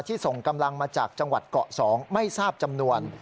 ส่งกำลังมาจากจังหวัดเกาะ๒ไม่ทราบจำนวน